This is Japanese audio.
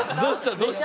どうした？